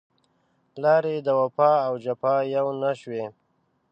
لارې د وفا او جفا يو نه شوې